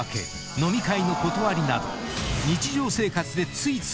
飲み会の断りなど］